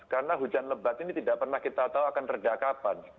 karena hujan lebat ini tidak pernah kita tahu akan terdakapan